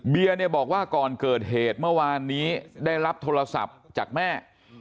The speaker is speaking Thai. บอกว่าก่อนเกิดเหตุเมื่อวานนี้ได้รับโทรศัพท์จากแม่